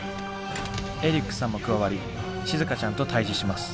エリックさんも加わりしずかちゃんと対じします。